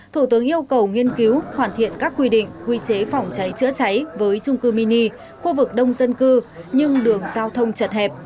thủ tướng yêu cầu nghiên cứu hoàn thiện các quy định quy chế phòng cháy chữa cháy với trung cư mini khu vực đông dân cư nhưng đường giao thông chật hẹp